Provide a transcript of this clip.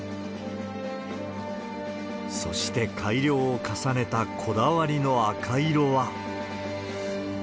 そして、改良を重ねたこだわりの赤色は。